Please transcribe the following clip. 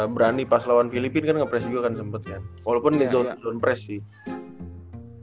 berani pas lawan filipina ngepres juga kan sempet kan walaupun dia jangan pres sih